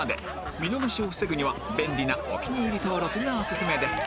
見逃しを防ぐには便利なお気に入り登録がオススメです